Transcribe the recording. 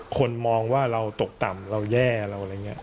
คนมองว่าเราตกต่ำเราแย่เราอะไรอย่างนี้